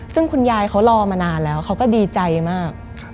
ซึ่งคุณยายเขารอมานานแล้วเขาก็ดีใจมาก